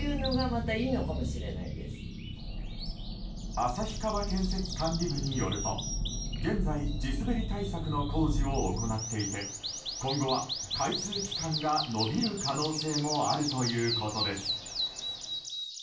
旭川建設管理部によると、現在地滑り対策の工事を行っていて今後は開通期間が延びる可能性もあるということです。